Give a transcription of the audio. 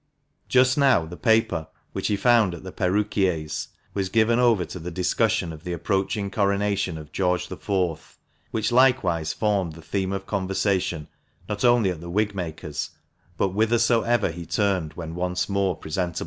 Just now the paper, which he found at the perruquier's, was given over to the discussion of the approaching coronation of George IV., which likewise formed the theme of conversation, not only at the wig maker's, but whithersoever he turned when once more presentable.